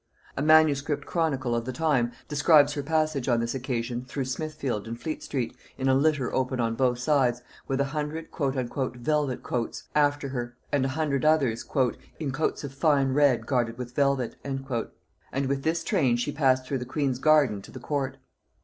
A manuscript chronicle of the time describes her passage on this occasion through Smithfield and Fleet street, in a litter open on both sides, with a hundred "velvet coats" after her, and a hundred others "in coats of fine red guarded with velvet;" and with this train she passed through the queen's garden to the court.